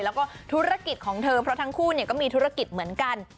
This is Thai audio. แล้วก็ธุรกิจของเธอเพราะทั้งคู่ก็มีธุรกิจเหมือนกัน